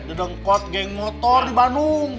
didengkot geng motor di bandung